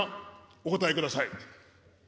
お応えください。